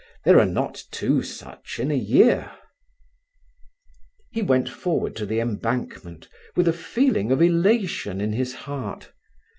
"There are not two such in a year." He went forward to the Embankment, with a feeling of elation in his heart.